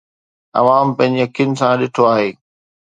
عوام پنهنجي اکين سان ڏٺو آهي.